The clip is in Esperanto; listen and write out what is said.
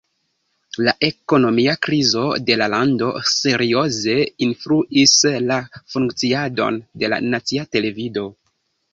La ekonomia krizo de la lando serioze influis la funkciadon de la nacia televido.